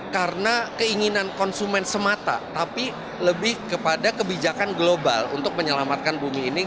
karena keinginan konsumen semata tapi lebih kepada kebijakan global untuk menyelamatkan bumi ini